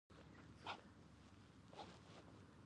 بادي انرژي د افغانانو د اړتیاوو د پوره کولو وسیله ده.